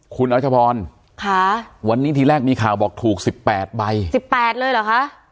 คุณอาชะพรค่ะวันนี้ทีแรกมีข่าวบอกถูกสิบแปดใบสิบแปดเลยเหรอคะ